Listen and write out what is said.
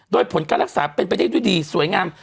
โดยผลการรักษาเป็นไปได้ด้วยดีสวยงาม